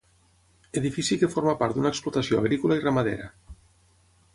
Edifici que forma part d'una explotació agrícola i ramadera.